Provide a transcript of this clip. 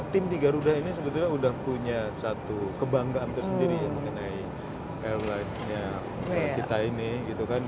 tim di garuda ini sebetulnya sudah punya satu kebanggaan tersendiri mengenai airline nya kita ini gitu kan